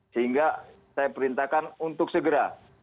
sehingga saya perintahkan untuk segera